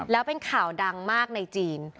แล้วเป็นข่าวดังมากในจีน